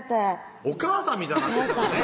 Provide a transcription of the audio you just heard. お母さんみたいになってたのね